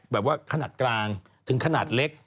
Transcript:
แบบว่าขนาดกลางถึงขนาดเล็ก